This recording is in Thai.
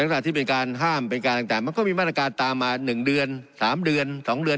ขณะที่เป็นการห้ามเป็นการต่างมันก็มีมาตรการตามมา๑เดือน๓เดือน๒เดือน